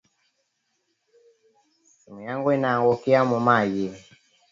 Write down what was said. Simu yangu inaangukia mu mayi